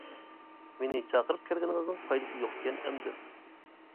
مېنى چاقىرىپ كەلگىنىڭىزنىڭ پايدىسى يوقكەن ئەمدى.